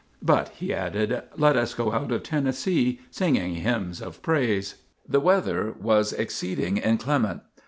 But," he added, "let us go out of Tennessee, singing hymns of praise." The weather was exceeding inclement.